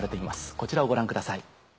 こちらをご覧ください。